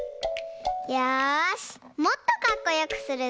よしもっとかっこよくするぞ！